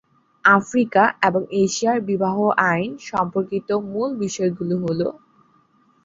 Africa এবং এশিয়ার বিবাহ আইন সম্পর্কিত মূল বিষয়গুলো হল;